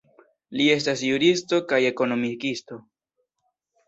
Li estas juristo kaj ekonomikisto.